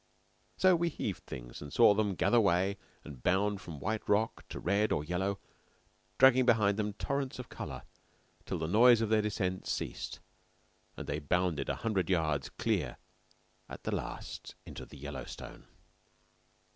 So we heaved things and saw them gather way and bound from white rock to red or yellow, dragging behind them torrents of color, till the noise of their descent ceased and they bounded a hundred yards clear at the last into the Yellowstone.